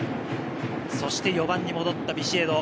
そして４番に戻ったビシエド。